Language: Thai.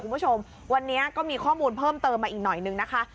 คุณผู้ชมวันนี้ก็มีข้อมูลเพิ่มเติมมาอีกหน่อยนึงนะคะ